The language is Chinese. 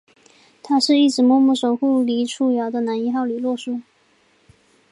他是一直默默守护黎初遥的男一号李洛书！